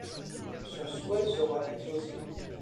Son souhait sera exaucé.